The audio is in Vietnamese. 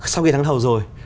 sau khi thắng thầu rồi